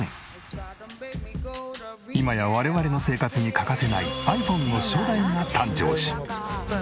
今や我々の生活に欠かせないｉＰｈｏｎｅの初代が誕生し。